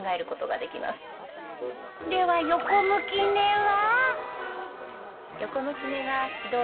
では横向き寝は？